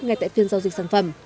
ngay tại phiên giao dịch sản phẩm